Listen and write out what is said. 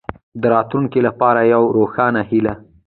د راتلونکې لپاره یوه روښانه هیله.